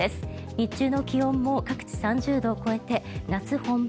日中の気温も各地３０度を超えて夏本番。